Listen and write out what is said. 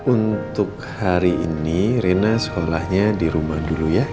untuk hari ini rena sekolahnya di rumah dulu ya